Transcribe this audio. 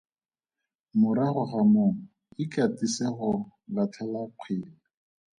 Morago ga moo ikatise go latlhela kgwele.